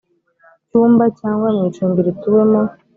cyumba cyangwa mu icumbi rituwemo